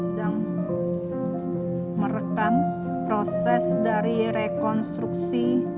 sedang merekam proses dari rekonstruksi